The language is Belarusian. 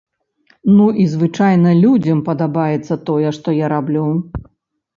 Ну і звычайна людзям падабаецца тое, што я раблю.